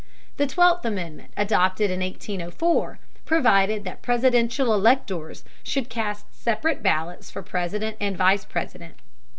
The Twelfth Amendment, adopted in 1804, provided that presidential electors should cast separate ballots for President and Vice President.